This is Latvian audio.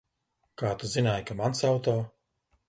Kā tu zināji, ka mans auto?